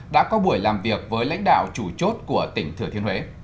đã có buổi làm việc với lãnh đạo chủ chốt của tỉnh thừa thiên huế